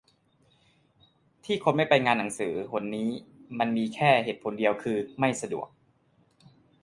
ที่คนไม่ไปงานหนังสือหนนี้มันมีแค่เหตุผลเดียวคือไม่สะดวก